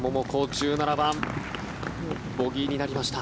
１７番、ボギーになりました。